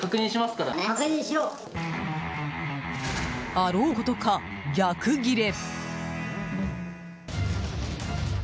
あろうことか逆ギレ。